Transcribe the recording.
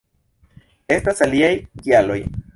Estas aliaj kialoj.